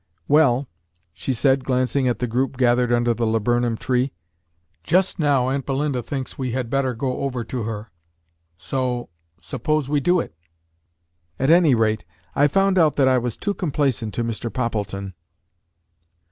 "Well," she said, glancing at the group gathered under the laburnum tree, "just now aunt Belinda thinks we had better go over to her; so, suppose we do it? At any rate, I found out that I was too complaisant to Mr. Poppleton."